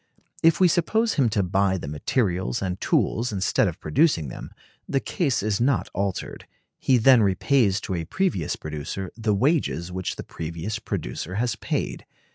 If we suppose him to buy the materials and tools instead of producing them, the case is not altered: he then repays to a previous producer the wages which that previous producer has paid.